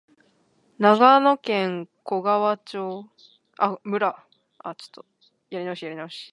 長野県小川村